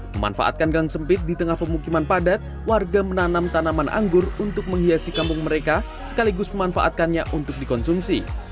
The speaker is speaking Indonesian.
memanfaatkan gang sempit di tengah pemukiman padat warga menanam tanaman anggur untuk menghiasi kampung mereka sekaligus memanfaatkannya untuk dikonsumsi